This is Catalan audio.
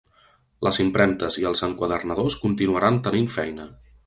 Les impremtes i els enquadernadors continuaran tenint feina.